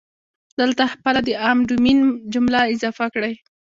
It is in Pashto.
دلته خپله د عام ډومین جمله اضافه کړئ.